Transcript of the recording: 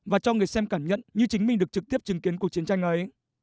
và cho người xem cảm nhận như chính mình được trực tiếp chứng kiến cuộc chiến tranh ấy